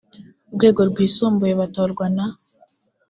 rwego rwisumbuye batorwa na